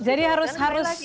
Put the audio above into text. jadi harus harus